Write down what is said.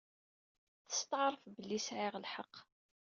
Testeɛref belli siɛiɣ lḥeqq.